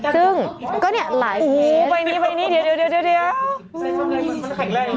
ซึ่งก็เนี่ยหลายไปนี่ไปนี่เดี๋ยวเดี๋ยวเดี๋ยวเดี๋ยวเริ่ม